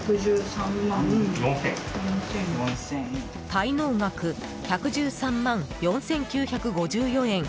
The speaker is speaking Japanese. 滞納額１１３万４９５４円